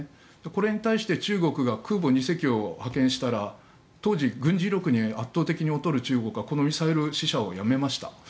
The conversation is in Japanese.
これに対して中国が空母２隻を派遣したら当時、軍事力で圧倒的に劣る中国はこのミサイル試射をやめました。